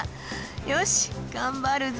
よし頑張るぞ！